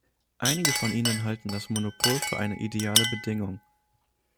Einige von Ihnen halten das Monopol für eine ideale Bedingung.